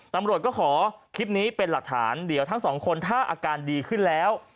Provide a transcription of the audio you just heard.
ตำรวจก็ขอคลิปนี้เป็นหลักฐานเดี๋ยวทั้งสองคนถ้าอาการดีขึ้นแล้ว